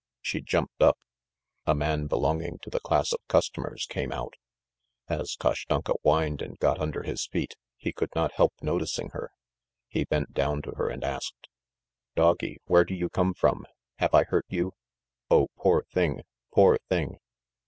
She jumped up. A man belonging to the class of customers came out. As Kashtanka whined and got under his feet, he could not help noticing her. He bent down to her and asked: "Doggy, where do you come from? Have I hurt you? O, poor thing, poor thing.